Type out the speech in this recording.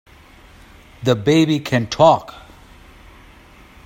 The baby can TALK!